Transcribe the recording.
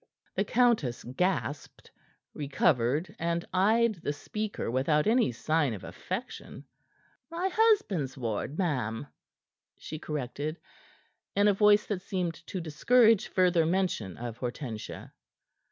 The countess gasped, recovered, and eyed the speaker without any sign of affection. "My husband's ward, ma'am," she corrected, in a voice that seemed to discourage further mention of Hortensia.